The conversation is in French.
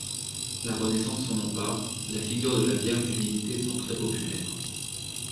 La Renaissance s'en empare, la figure de la Vierge d'humilité étant très populaire.